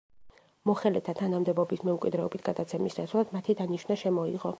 მოხელეთა თანამდებობის მემკვიდრეობით გადაცემის ნაცვლად მათი დანიშვნა შემოიღო.